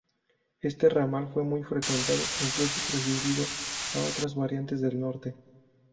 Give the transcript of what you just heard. Este ramal fue muy frecuentado, incluso preferido a otras variantes del norte.